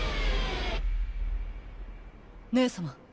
姉様。